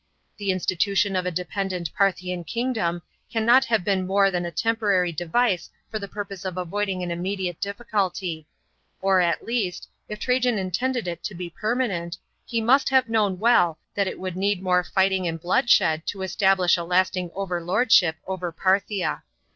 The insiitution of a dependent Parthian kingdom cannot have been more than a temporary device for the purpose of avoiding an immediate difficulty ; or at least, if Trajan intended it to be permanent, he must have known well that it would need nr re fight. ng and bloodshed to establish a lasting overlordship over Parthia.